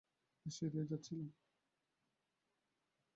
ব্যস এড়িয়ে যাচ্ছিলাম।